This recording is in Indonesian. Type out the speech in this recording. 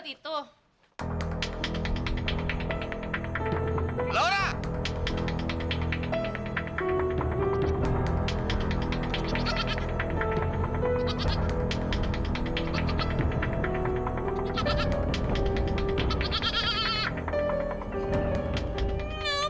tidak saya mau